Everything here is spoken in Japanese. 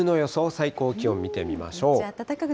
最高気温見てみましょう。